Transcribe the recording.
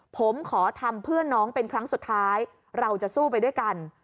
ผมขอทำเพื่อนน้องเป็นครั้งสุดท้ายเราจะสู้ไปด้วยกัน